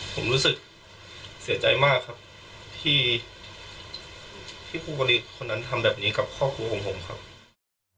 ผมรู้สึกเสียใจมากครับที่ครูบริษคนนั้นทำแบบนี้กับครอบครัวของผมครับ